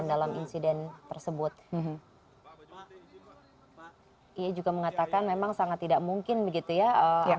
dan adegan ketiga